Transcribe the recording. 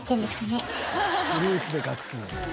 フルーツで隠す。